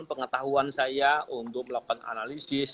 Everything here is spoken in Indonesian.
pengetahuan saya untuk melakukan analisis